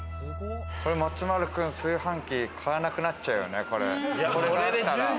これ松丸君、炊飯器、買わなくなっちゃうよね。